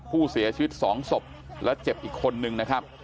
ผู้เสียชีวิต๒ศพและเจ็บอีกคนนึงนะครับ